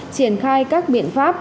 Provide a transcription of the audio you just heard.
triển khai các biện pháp